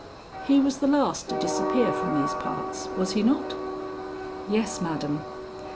"He was the last to disappear from these parts, was he not?" "Yes, madam."